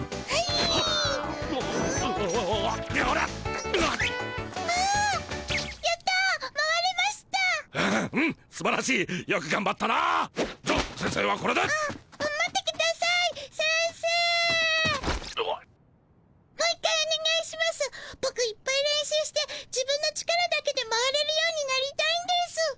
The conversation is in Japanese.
ボクいっぱい練習して自分の力だけで回れるようになりたいんです。